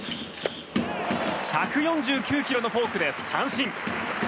１４９キロのフォークで三振！